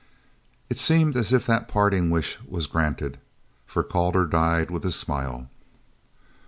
It seemed as if that parting wish was granted, for Calder died with a smile.